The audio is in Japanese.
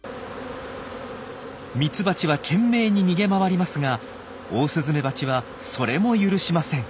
ミツバチは懸命に逃げ回りますがオオスズメバチはそれも許しません。